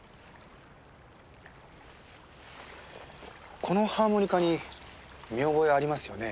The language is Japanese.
このハーモニカに見覚えありますよね？